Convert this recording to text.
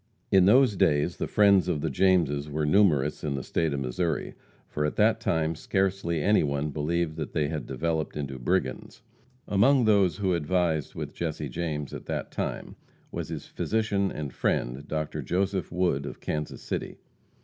In those days the friends of the Jameses were numerous in the State of Missouri; for at that time scarcely any one believed that they had developed into brigands. Among those who advised with Jesse James at that time was his physician and friend, Dr. Joseph Wood, of Kansas City.